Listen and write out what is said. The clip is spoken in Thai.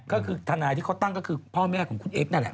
ก็คือทนายที่เขาตั้งก็คือพ่อแม่ของคุณเอ็กซนั่นแหละ